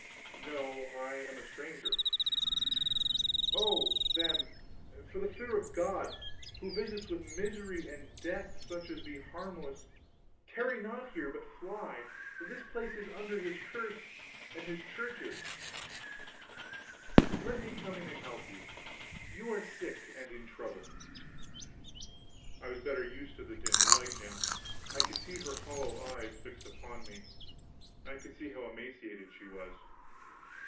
"No, I am a stranger." "Oh, then, for the fear of God, who visits with misery and death such as be harmless, tarry not here, but fly! This place is under his curse and his Church's." "Let me come in and help you you are sick and in trouble." I was better used to the dim light now. I could see her hollow eyes fixed upon me. I could see how emaciated she was.